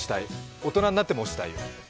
大人になっても押したいよ。